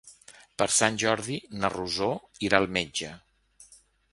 Per Sant Jordi na Rosó irà al metge.